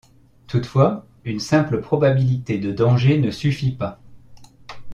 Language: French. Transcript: Toutefois, une simple probabilité de danger ne suffit pas.